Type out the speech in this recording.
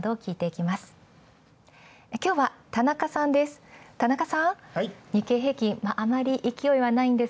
きょうは田中さんです。